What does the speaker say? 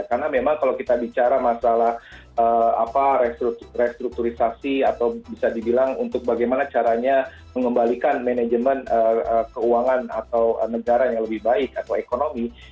karena memang kalau kita bicara masalah apa restrukturisasi atau bisa dibilang untuk bagaimana caranya mengembalikan manajemen keuangan atau negara yang lebih baik atau ekonomi